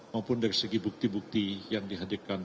maupun dari segi bukti bukti yang dihadirkan